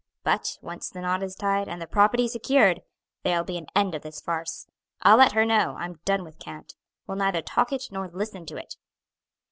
But once the knot is tied, and the property secured, there'll be an end of this farce. I'll let her know I'm done with cant, will neither talk it nor listen to it."